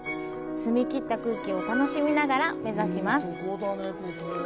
澄み切った空気を楽しみながら目指します。